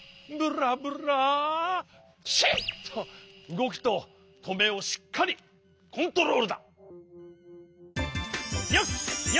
うごきととめをしっかりコントロールだ。